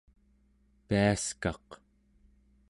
piaskaq